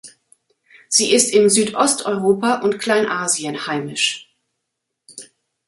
Sie ist in Südosteuropa und Kleinasien heimisch.